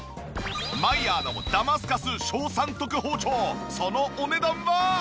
マイヤーのダマスカス小三徳包丁そのお値段は？